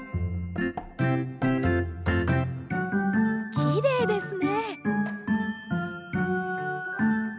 きれいですね。